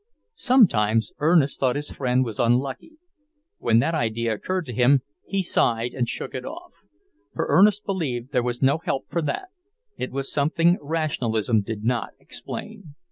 Sometimes Ernest thought his friend was unlucky. When that idea occurred to him, he sighed and shook it off. For Ernest believed there was no help for that; it was something rationalism did not explain.